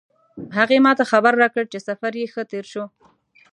هغې ما ته خبر راکړ چې سفر یې ښه تیر شو